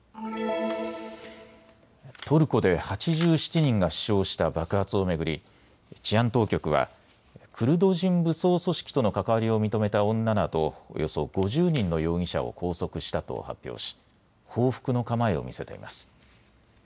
トルコで８７人が死傷した爆発を巡り治安当局はクルド人武装組織との関わりを認めた女などおよそ５０人の容疑者を拘束したと発表し報復の構えを見せています。